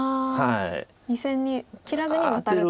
２線に切らずにワタる手ですね。